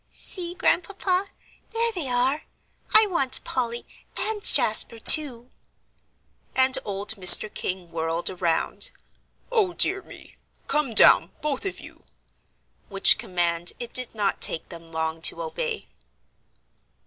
"See, Grandpapa, there they are; I want Polly and Jasper, too." And old Mr. King whirled around. "O dear me! Come down, both of you," which command it did not take them long to obey.